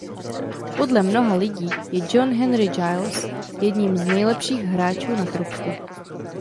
Podle mnoha lidí je John Henry Giles jedním z nejlepších hráčů na trubku.